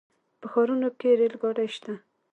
په ښارونو کې ریل ګاډي شته.